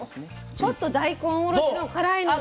ちょっと大根おろしの辛いのと。